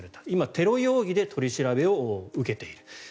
今、テロ容疑で取り調べを受けている。